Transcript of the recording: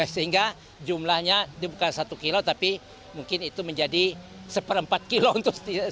sehingga jumlahnya dia bukan satu kilo tapi mungkin itu menjadi satu empat kilo untuk setiap orang